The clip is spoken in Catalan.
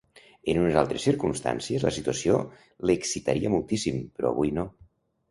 En unes altres circumstàncies, la situació l'excitaria moltíssim, però avui no.